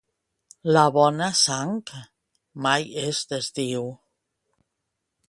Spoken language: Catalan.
La bona sang mai es desdiu.